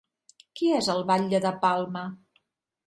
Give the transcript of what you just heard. Qui és el batlle de Palma?